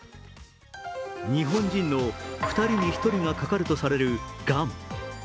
日本人の２人に１人がかかるとされるがん。